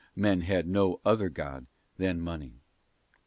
Book men had no other god than money.